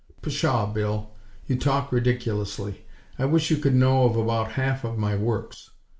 "Pshaw, Bill! You talk ridiculously! I wish you could know of about half of my works.